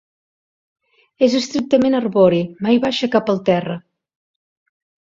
És estrictament arbori, mai baixa cap al terra.